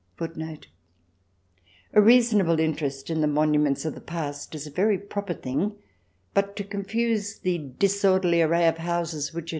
A reasonable interest in the monuments of the past is a very proper thing, but to confuse the disorderly array of houses which CH.